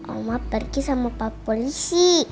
allah pergi sama pak polisi